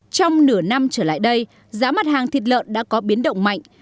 trong nửa năm trở lại đây giá mặt hàng thịt lợn đã có biến động mạnh